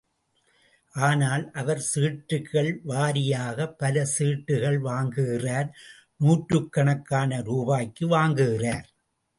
ஆனால் அவர் சீட்டுகள் வாரியாகப் பல சீட்டுகள் வாங்குகிறார் நூற்றுக் கணக்கான ரூபாய்க்கு வாங்குகிறார்.